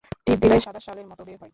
টিপ দিলে সাদা শালের মত বের হয়।